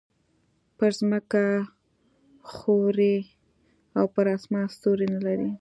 پر ځمکه ښوری او پر اسمان ستوری نه لري.